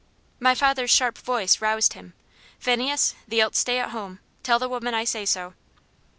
My father's sharp voice roused him. "Phineas, thee'lt stay at home. Tell the woman I say so."